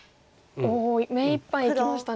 おお目いっぱいいきましたね。